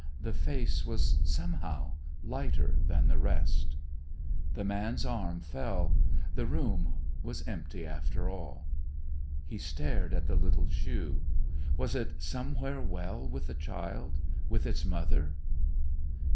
The face was somehow lighter than the rest. The man's arm fell. The room was empty after all. He stared at the little shoe. Was it somewhere well with the child, with its mother?